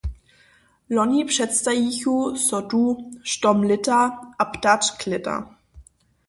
Loni předstajichu so tu "štom lěta" a "ptačk lěta".